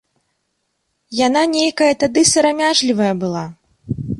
Яна нейкая тады сарамяжлівая была.